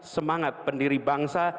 semangat pendiri bangsa